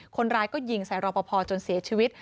คนร้ายก็ยิงใส่รอปภจนเสียชีวิต